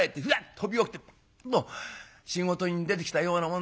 飛び起きてパッと仕事に出てきたようなもんでね。